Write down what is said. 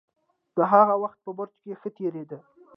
د هغه وخت په برج کې ښه تېرېده.